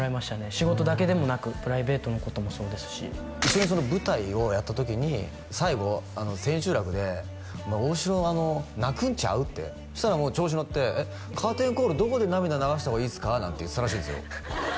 仕事だけでもなくプライベートのこともそうですし一緒にその舞台をやった時に最後千秋楽で「旺志郎泣くんちゃう？」ってそしたらもう調子乗って「カーテンコール」「どこで涙流した方がいいっすか」なんて言ったらしいんですよ